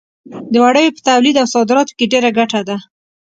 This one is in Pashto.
د وړیو په تولید او صادراتو کې ډېره ګټه ده.